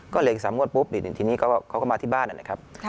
ก็เหลืออีกสามงวดปุ๊บอย่างที่นี้เขาก็เขาก็มาที่บ้านน่ะนะครับ